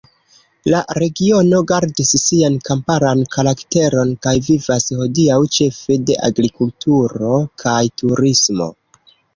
La regiono gardis sian kamparan karakteron kaj vivas hodiaŭ ĉefe de agrikulturo kaj turismo.